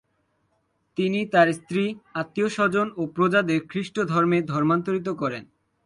তিনি তার স্ত্রী, আত্মীয়স্বজন ও প্রজাদের খ্রিষ্ট ধর্মে ধর্মান্তরিত করেন।